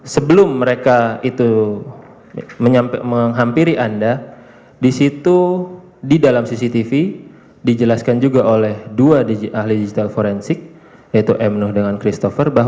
sebelum mereka itu menghampiri anda di situ di dalam cctv dijelaskan juga oleh dua ahli digital forensik yaitu emnoh dengan christopher